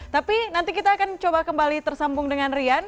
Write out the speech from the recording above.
tapi nanti kita akan coba kembali tersambung dengan rian